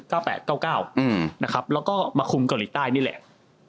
แล้วก็มาคุมเกาหลีใต้นี่แหละ